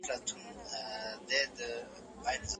استاد د شاګرد کوم کار ارزوي؟